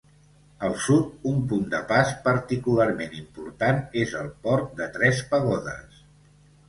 Al sud, un punt de pas particularment important és el Port de Tres Pagodes.